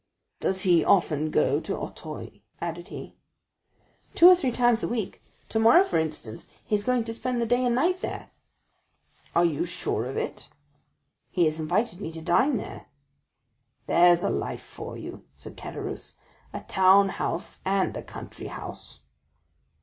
"Does he often go to Auteuil?" added he. "Two or three times a week. Tomorrow, for instance, he is going to spend the day and night there." "Are you sure of it?" "He has invited me to dine there." "There's a life for you," said Caderousse; "a town house and a country house."